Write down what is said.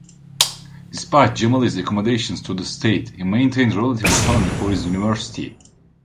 Despite Gemelli's accommodations to the state, he maintained relative autonomy for his university.